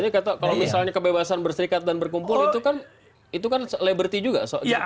kalau misalnya kebebasan berserikat dan berkumpul itu kan itu kan liberty juga